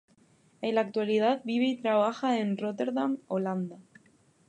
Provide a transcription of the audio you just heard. En la actualidad vive y trabaja en Róterdam, Holanda.